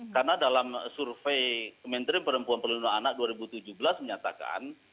karena dalam survei kementerian perempuan perlindungan anak dua ribu tujuh belas menyatakan